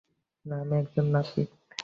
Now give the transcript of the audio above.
না, আমি একজন নাপিত।